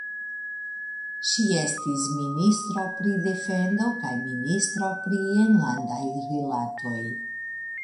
Ŝi estis ministro pri defendo kaj ministro pri enlandaj rilatoj.